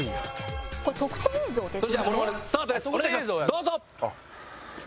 どうぞ！